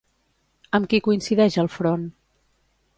Amb qui coincideix al front?